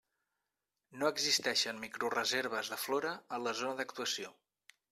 No existeixen microreserves de flora en la zona d'actuació.